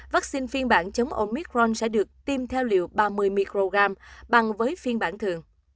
vaccine phiên bản chống omicron sẽ được tiêm theo liều ba mươi mg bằng với phiên bản thường